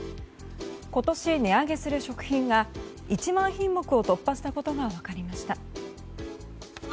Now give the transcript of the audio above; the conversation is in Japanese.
今年、値上げする食品が１万品目を突破したことが分かりました。